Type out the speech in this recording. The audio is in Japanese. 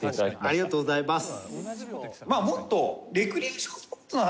ありがとうございます。